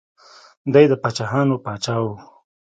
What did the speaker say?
دی د پاچاهانو پاچا و.